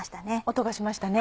音がしましたね。